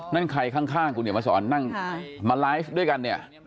นั่นใครข้างคุณเดี๋ยวมาสอนนั่งมาไลฟ์ด้วยกันเนี่ย